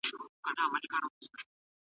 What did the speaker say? نوي تجربې مو په ژوند کي رنګ راولي.